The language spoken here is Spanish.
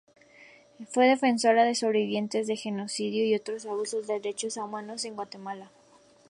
Fue defensora de sobrevivientes de genocidio y otros abusos de derechos humanos en Guatemala.